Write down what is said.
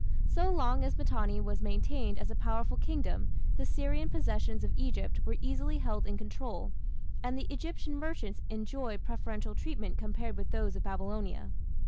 So long as Mitanni was maintained as a powerful kingdom the Syrian possessions of Egypt were easily held in control, and the Egyptian merchants enjoyed preferential treatment compared with those of Babylonia.